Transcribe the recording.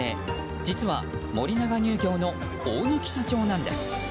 実な森永乳業の大貫社長なんです。